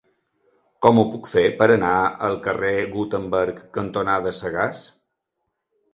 Com ho puc fer per anar al carrer Gutenberg cantonada Sagàs?